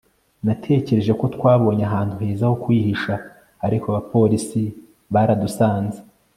natekereje ko twabonye ahantu heza ho kwihisha, ariko abapolisi baradusanze